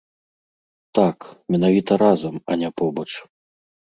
Так, менавіта разам, а не побач.